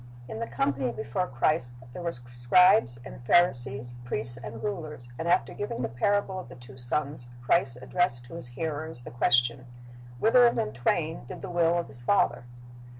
"^ In the company before Christ there were scribes and Pharisees, priests and rulers, and after giving the parable of the two sons, Christ addressed to His hearers the question, "Whether of them twain did the will of his father?"